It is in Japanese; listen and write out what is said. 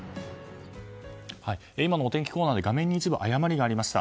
今のお天気コーナーで画面に一部誤りがありました。